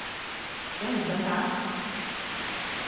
想唔想打？